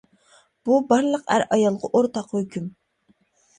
بۇ بارلىق ئەر، ئايالغا ئورتاق ھۆكۈم.